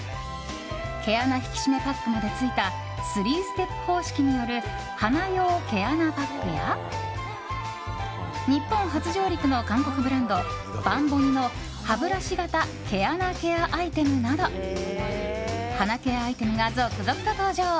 毛穴引締めパックまでついた３ステップ方式による鼻用毛穴パックや日本初上陸の韓国ブランドバンボニの歯ブラシ型毛穴ケアアイテムなど鼻ケアアイテムが続々と登場。